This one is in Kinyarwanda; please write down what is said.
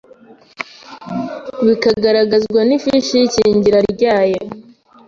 bikagaragazwa n’ifishi y’ikingira ryayo